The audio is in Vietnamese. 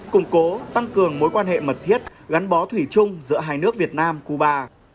củng cố tăng cường mối quan hệ mật thiết gắn bó thủy chung giữa hai nước việt nam cuba